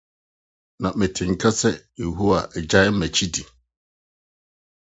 Metee nka sɛ Yehowa agyae m’akyi di.